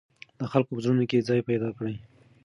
د خلکو په زړونو کې ځای پیدا کړئ.